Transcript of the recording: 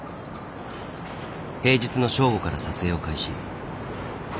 平日の正午から撮影を開始。